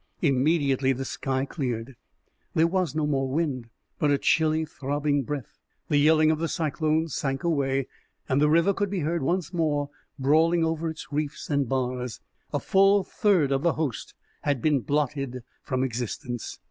Immediately the sky cleared. There was no more wind, but a chilly, throbbing breath. The yelling of the cyclone sank away, and the river could be heard once more brawling over its reefs and bars. A full third of the host had been blotted from existence.